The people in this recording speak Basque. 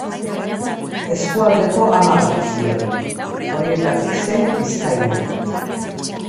Eskualdeko hamar edizio ditu, horietatik sei Bizkaian.